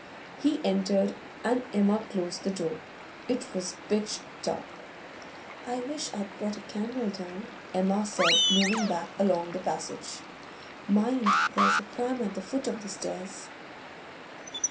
He entered, and Emma closed the door. It was pitch dark. 'I wish I'd brought a candle down,' Emma said, moving back along the passage. 'Mind there's a pram at the foot of the stairs.